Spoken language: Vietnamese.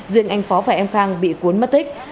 riêng anh phó và em khang bị cuốn mất tích